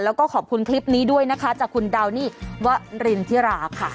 แล้วก็ขอบคุณคลิปนี้ด้วยนะคะจากคุณดาวนี่วรินทิราค่ะ